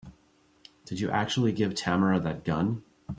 Did you actually give Tamara that gun?